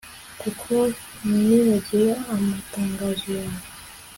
kuko ntibagiwe amatangazo yawe